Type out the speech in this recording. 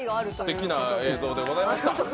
すてきな映像でございました。